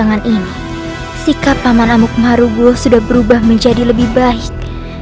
pada saat ini sikap paman amuk maruko sudah berubah menjadi lebih baik